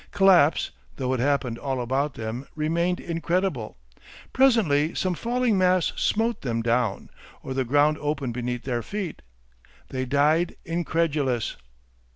Collapse, though it happened all about them, remained incredible. Presently some falling mass smote them down, or the ground opened beneath their feet. They died incredulous....